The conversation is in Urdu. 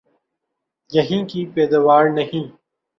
یہیں کی پیداوار نہیں؟